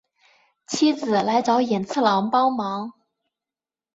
妻子来找寅次郎帮忙。